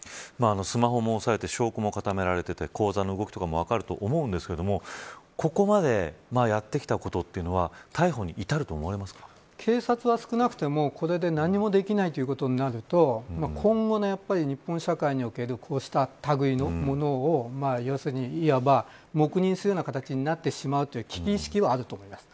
スマホも押さえて証拠も固められていて口座の動きも分かると思うんですがここまでやってきたことというのは警察は少なくとも、これで何もできないということになると今後の日本社会におけるこうしたたぐいのものをいわば、黙認するような形になってしまうという危機意識があると思います。